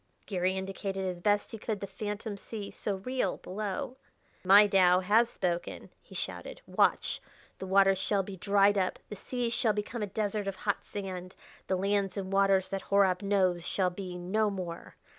Garry indicated as best he could the phantom sea, so real, below. "My Tao has spoken," he shouted: "watch! The waters shall be dried up; the seas shall become a desert of hot sand; the lands and waters that Horab knows shall be no more!